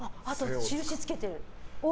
印つけてる。